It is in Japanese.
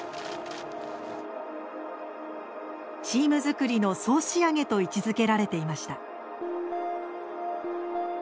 チーム作りの総仕上げと位置づけられていました。